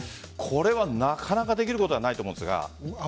これはなかなかできることではないと思うんですが。